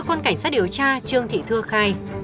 cơ quan cảnh sát điều tra trương thị thưa khai